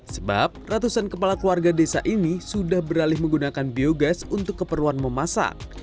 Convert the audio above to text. sebab ratusan kepala keluarga desa ini sudah beralih menggunakan biogas untuk keperluan memasak